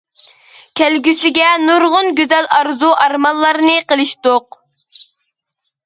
كەلگۈسىگە نۇرغۇن گۈزەل ئارزۇ ئارمانلارنى قىلىشتۇق.